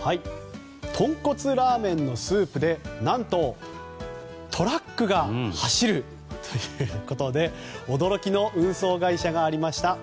豚骨ラーメンのスープで何とトラックが走るということで驚きの運送会社がありました。